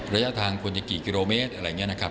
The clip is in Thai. ระยะทางควรจะกี่กิโลเมตรอะไรอย่างนี้นะครับ